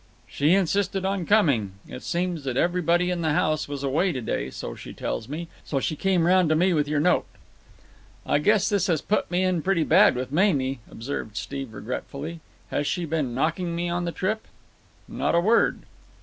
"She insisted on coming. It seems that everybody in the house was away to day, so she tells me, so she came round to me with your note." "I guess this has put me in pretty bad with Mamie," observed Steve regretfully. "Has she been knocking me on the trip?" "Not a word."